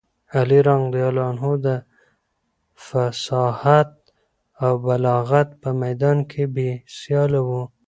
علي رض د فصاحت او بلاغت په میدان کې بې سیاله و.